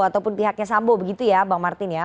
ataupun pihaknya sambo begitu ya bang martin ya